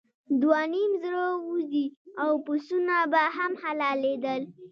دوه نیم زره اوزې او پسونه به هم حلالېدل.